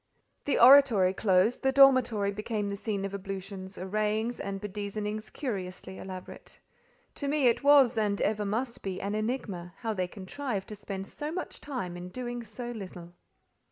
The oratory closed, the dormitory became the scene of ablutions, arrayings and bedizenings curiously elaborate. To me it was, and ever must be an enigma, how they contrived to spend so much time in doing so little.